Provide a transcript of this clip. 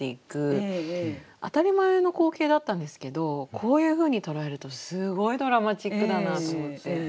当たり前の光景だったんですけどこういうふうに捉えるとすごいドラマチックだなと思って。